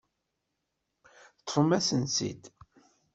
Teṭṭfemt-asen-t-id.